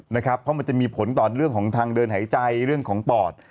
เพราะมันจะมีผลต่อเรื่องของทางเดินหายใจเรื่องของปอด